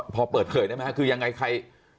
พอเปิดเผยได้ไหมคือยังไงใคร